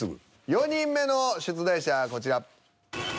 ４人目の出題者はこちら。